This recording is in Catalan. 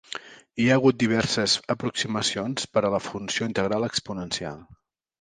Hi ha hagut diverses aproximacions per a la funció integral exponencial.